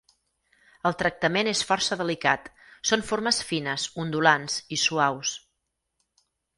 El tractament és força delicat, són formes fines, ondulants i suaus.